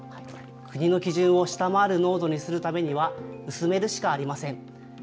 国の基準を下回る濃度にするためには、薄めるしかありません。